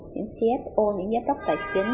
những cfo những giám đốc tài chính